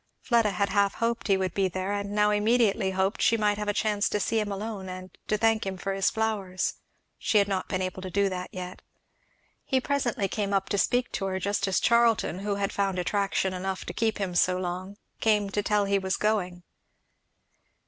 Fleda had half hoped he would be there, and now immediately hoped she might have a chance to see him alone and to thank him for his flowers; she had not been able to do that yet. He presently came up to speak to her just as Charlton, who had found attraction enough to keep him so long, came to tell he was going.